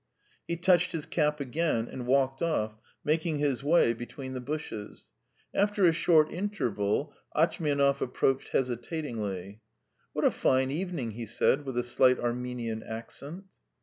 He touched his cap again and walked off, making his way between the bushes. After a short interval Atchmianov approached hesitatingly. "What a fine evening!" he said with a slight Armenian accent.